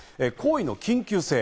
行為の緊急性。